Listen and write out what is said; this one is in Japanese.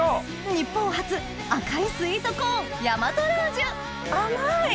日本初赤いスイートコーン大和ルージュ甘い！